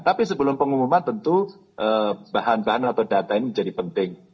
tapi sebelum pengumuman tentu bahan bahan atau data ini menjadi penting